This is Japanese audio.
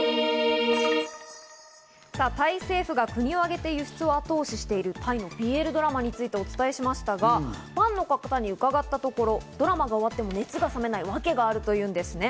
タイ政府が国を挙げて輸出を後押ししている、タイのＢＬドラマについてお伝えしましたが、ファンの方に伺ったところ、ドラマが終わっても熱が冷めないワケがあるというんですね。